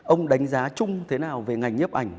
ông đánh giá chung thế nào về ngành nhiếp ảnh